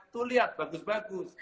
tuh lihat bagus bagus